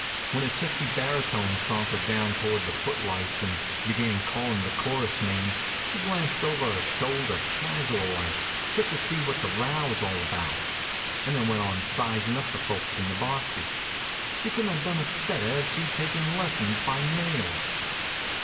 When a chesty baritone sauntered down toward the footlights and began callin' the chorus names she glanced over her shoulder, casual like, just to see what the row was all about, and then went on sizin' up the folks in the boxes. She couldn't have done it better if she'd taken lessons by mail.